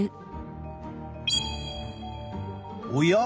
おや？